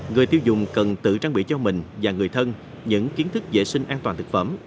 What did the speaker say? người tiêu dùng cần tự trang bị cho mình và người thân những kiến thức vệ sinh an toàn thực phẩm